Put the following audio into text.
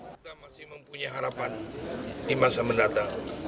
kita masih mempunyai harapan di masa mendatang